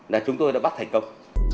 là chúng tôi đã bắt thành công